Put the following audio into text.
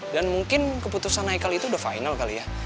dan mungkin keputusan haikal itu udah final kali ya